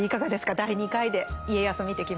第２回で家康を見てきましたけど。